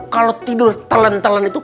kalau tidur telan telan itu